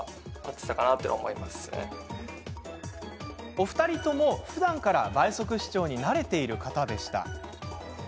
お二人とも、ふだんから倍速視聴に慣れている方でした。